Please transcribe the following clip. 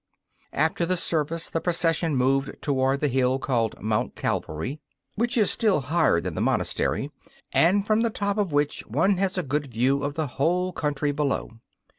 After the service the procession moved toward the hill called 'Mount Calvary,' which is still higher than the monastery, and from the top of which one has a good view of the whole country below.